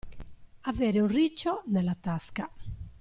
Avere un riccio nella tasca.